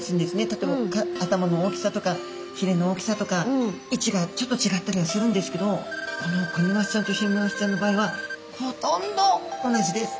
例えば頭の大きさとかひれの大きさとか位置がちょっと違ったりはするんですけどこのクニマスちゃんとヒメマスちゃんの場合はほとんど同じです。